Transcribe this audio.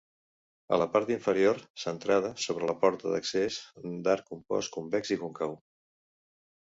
A la part inferior, centrada, s'obre la porta d'accés, d'arc compost convex i còncau.